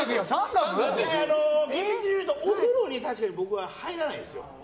厳密に言うとお風呂に僕は入らないです。